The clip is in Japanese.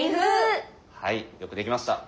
はいよくできました。